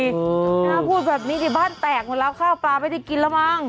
พูดแบบนี้ดิบ้านแตกหมดแล้วข้าวปลาไม่ได้กินแล้วมั้ง